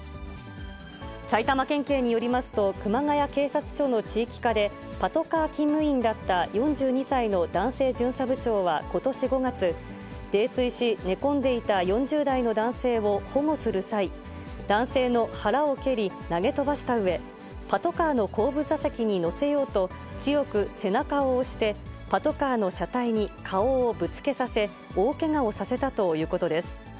埼玉県警によりますと、熊谷警察署の地域課で、パトカー勤務員だった４２歳の男性巡査部長はことし５月、泥酔し、寝込んでいた４０代の男性を保護する際、男性の腹を蹴り、投げ飛ばしたうえ、パトカーの後部座席に乗せようと、強く背中を押して、パトカーの車体に顔をぶつけさせ、大けがをさせたということです。